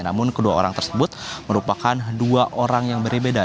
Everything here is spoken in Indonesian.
namun kedua orang tersebut merupakan dua orang yang berbeda